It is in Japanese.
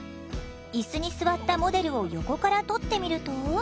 イスに座ったモデルを横から撮ってみると。